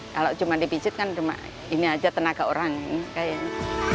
kalau cuma dipijit kan cuma ini aja tenaga orang ini kayaknya